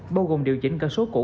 bao gồm điều chỉnh các số cũ